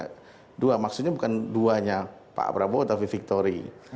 itu adalah dua nya pak prabowo atau v victory